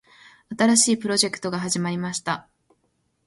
新しいプロジェクトが始まりました。